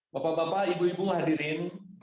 bapak bapak ibu ibu hadirin